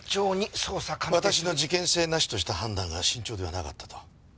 私の事件性なしとした判断が慎重ではなかったと？